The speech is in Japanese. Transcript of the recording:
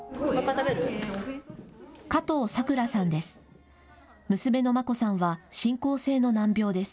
加藤さくらさんです。